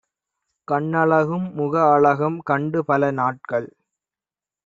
கண்ணழகும் முகஅழகும் கண்டுபல நாட்கள்